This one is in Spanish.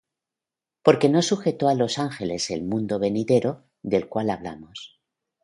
Porque no sujetó á los ángeles el mundo venidero, del cual hablamos.